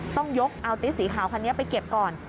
ต้องยกเอาติ๊ดสีขาวคันนี้ไปเก็บก่อน